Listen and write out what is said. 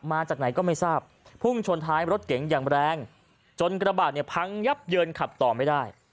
มาจากไหนก็ไม่ทราบพุ่งชนท้ายรถเก๋งอย่างแรงจนกระบาดเนี่ยพังยับเยินขับต่อไม่ได้